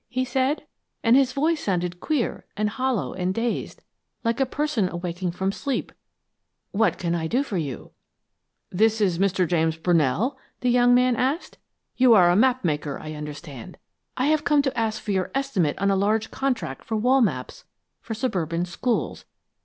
he said, and his voice sounded queer and hollow and dazed, like a person awaking from sleep. 'What can I do for you?' "'This is Mr. James Brunell?' the young man asked. 'You are a map maker, I understand. I have come to ask for your estimate on a large contract for wall maps for suburban schools.